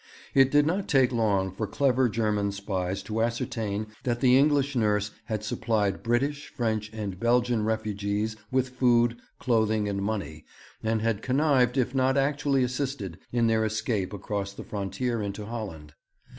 It did not take long for clever German spies to ascertain that the English nurse had supplied British, French, and Belgian refugees with food, clothing, and money, and had connived, if not actually assisted, in their escape across the frontier into Holland.